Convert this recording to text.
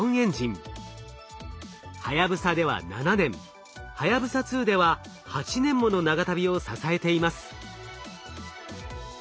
はやぶさでは７年はやぶさ２では８年もの長旅を支えています。